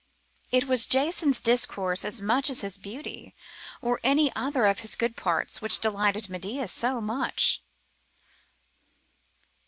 It was Jason's discourse as much as his beauty, or any other of his good parts, which delighted Medea so much.